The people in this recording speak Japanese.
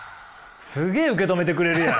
すげえ受け止めてくれるやん！